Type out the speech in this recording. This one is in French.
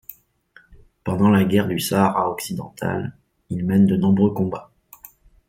Pendant la guerre du Sahara occidental, il mène de nombreux combats.